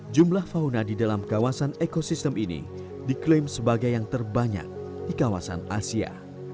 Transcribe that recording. jumlah fauna di dalam kawasan ekosistem ini diklaim sebagai yang terbanyak di kawasan asia